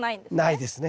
ないですね。